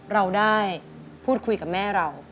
เราได้พูดคุยกับแม่เรา